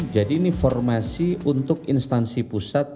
jadi ini formasi untuk instansi pusat